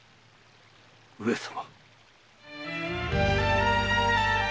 上様。